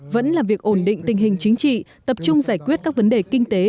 vẫn là việc ổn định tình hình chính trị tập trung giải quyết các vấn đề kinh tế